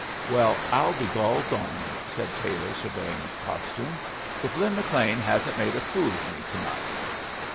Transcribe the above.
"Well, I'll be gol darned," said Taylor, surveying his costume, "if Lin McLean hasn't made a fool of me to night!"